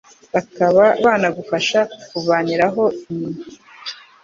bakaba banagufasha kukuvaniraho inyinya